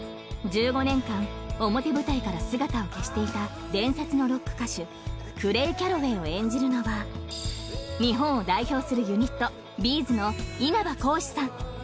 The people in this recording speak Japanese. ［１５年間表舞台から姿を消していた伝説のロック歌手クレイ・キャロウェイを演じるのは日本を代表するユニットＢ’ｚの稲葉浩志さん］